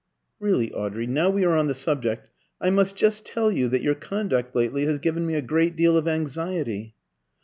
"Really, Audrey, now we are on the subject, I must just tell you that your conduct lately has given me a great deal of anxiety."